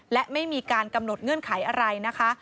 และไม่มีการกำหนดเงื่อนไขอะไรนะคะ